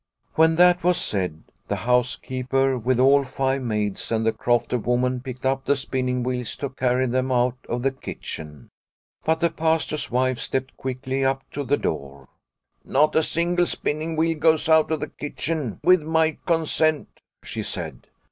When that was said, the housekeeper with all five maids and the crofter woman picked up the spinning wheels to carry them out of the kitchen. But the Pastor's wife stepped quickly up to the door. " Not a single spinning wheel goes out of the kitchen with my consent," she said.